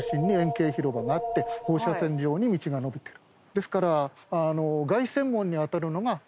ですから。